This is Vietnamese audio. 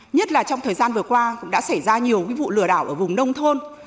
nhất là trong thời gian vừa qua cũng đã xảy ra nhiều vụ lừa đảo ở vùng nông thôn